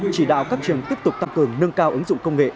chỉ đạo các trường tiếp tục tăng cường nâng cao ứng dụng công nghệ